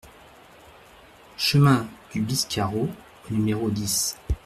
Chemin du Biscarot au numéro dix